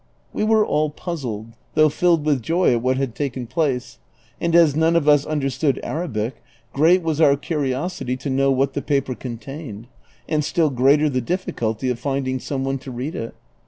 We were all puzzled, though filled with joy at what had taken place ; and as none of us understood Arabic, great was our curiosity to know what the paper contained, and still greater the difficulty of finding some one to read it.